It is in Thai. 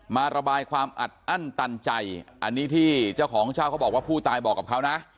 ระบายความอัดอั้นตันใจอันนี้ที่เจ้าของเช่าเขาบอกว่าผู้ตายบอกกับเขานะ